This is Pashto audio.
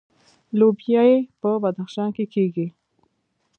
لوبیې په بدخشان کې کیږي